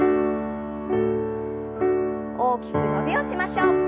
大きく伸びをしましょう。